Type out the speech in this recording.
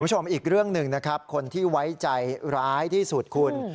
คุณผู้ชมอีกเรื่องหนึ่งนะครับคนที่ไว้ใจร้ายที่สุดคุณ